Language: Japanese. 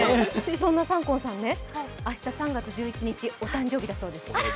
そんなサンコンさん、明日３月１１日、お誕生日だそうです。